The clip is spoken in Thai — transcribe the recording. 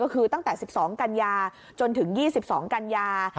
คือตั้งแต่๑๒กันยาจนถึง๒๒กันยา